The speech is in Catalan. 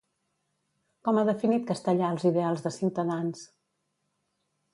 Com ha definit Castellà els ideals de Ciutadans?